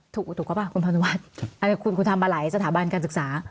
ถูกเขาป่ะคุณพันธุวัสคุณทำมาหลายสถาบันการศึกษา